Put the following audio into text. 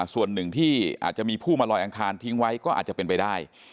ส่วนหนึ่งที่อาจจะมีผู้มาลอยอังคารทิ้งไว้ก็อาจจะเป็นไปได้